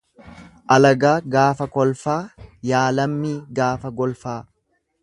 Alagaa gaafa kolfaa yaa lammii gaafa golfaa.